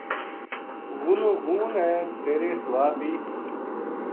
غونو غون ہے تیرے سوا بی